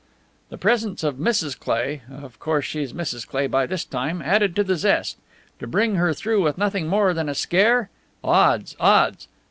The presence of Mrs. Cleigh of course she's Mrs. Cleigh by this time! added to the zest. To bring her through with nothing more than a scare! Odds, odds!